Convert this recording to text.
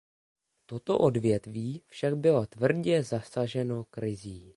Toto odvětví však bylo tvrdě zasaženo krizí.